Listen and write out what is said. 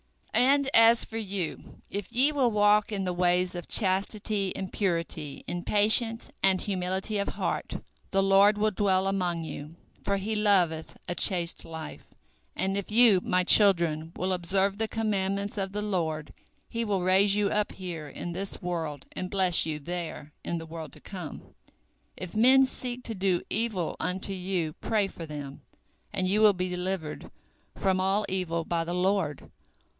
And as for you, if ye will walk in the ways of chastity and purity in patience and humility of heart, the Lord will dwell among you, for He loveth a chaste life, and if you, my children, will observe the commandments of the Lord, He will raise you up here, in this world, and bless you there, in the world to come. If men seek to do evil unto you, pray for them, and you will be delivered from all evil by the Lord.